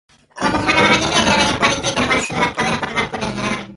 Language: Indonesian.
Omongan orang ini adalah yang paling tidak masuk akal yang pernah aku dengar!